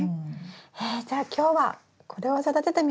えじゃあ今日はこれを育ててみましょうか。